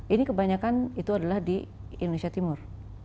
ini kebanyakan itu adalah di indonesia timur